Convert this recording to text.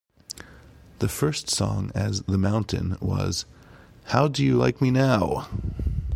The first song as The Mountain was How Do You Like Me Now?!